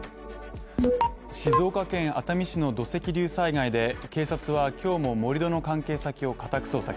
静岡県熱海市の土石流災害で、警察は今日も盛り土の関係先を家宅捜索。